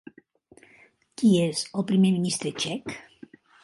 Qui és el primer ministre txec?